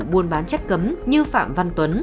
buôn bán chất cấm như phạm văn tuấn